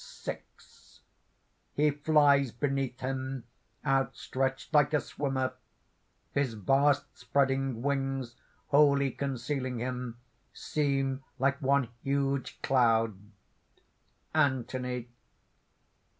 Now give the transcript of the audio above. VI (_He flies beneath him, outstretched like a swimmer; his vast spreading wings, wholly concealing him, seem like one huge cloud._) ANTHONY.